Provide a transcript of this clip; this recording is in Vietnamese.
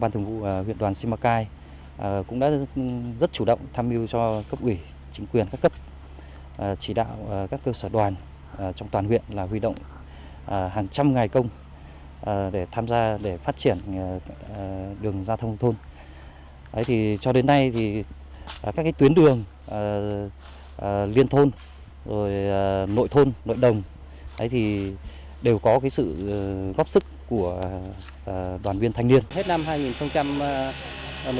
trong phong trào xây dựng đường giao thông nông thôn thì sự ốc sức của đoàn viên thanh niên cũng không hề nhỏ